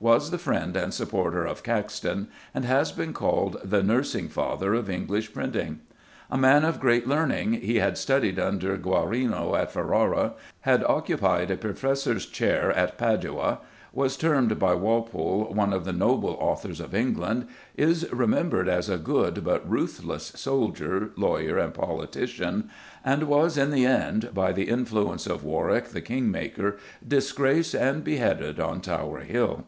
was the friend and supporter of Caxton, and has been called "the nursing father of English printing." A man of great learning, he had studied under Guarino at Ferrara, had occupied a professor's chair at Padua, was termed by Walpole "one of the noble authors of England," is remembered as a good, but ruthless, soldier, lawyer, and politician, and was, in the end, by the influence of Warwick, the king maker, disgraced and beheaded on Tower Hill.